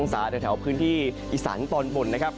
ในช่วงเวลาพรุ่งนี้จะอยู่ที่ประมาณ๓๕๓๖องศาเช่าภูมิสัรมี